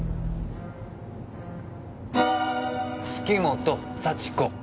月本幸子！